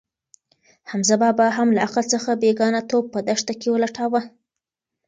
حمزه بابا هم له عقل څخه بېګانه توب په دښته کې لټاوه.